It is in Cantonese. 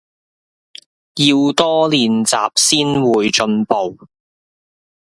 要多練習先會進步